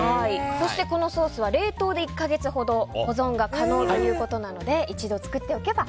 そして、このソースは冷凍で１か月ほど保存が可能ということなので一度作っておけば